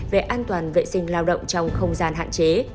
về an toàn vệ sinh lao động trong không gian hạn chế